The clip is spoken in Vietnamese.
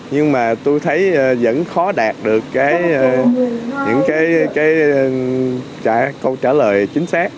nhưng mà tôi thấy vẫn khó đạt được những cái câu trả lời chính xác